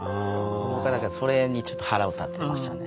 僕はだからそれにちょっと腹を立ててましたね。